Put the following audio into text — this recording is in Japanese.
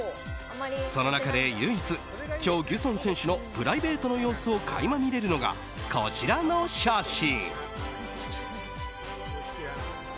その中で唯一チョ・ギュソン選手のプライベートの様子を垣間見れるのが、こちらの写真。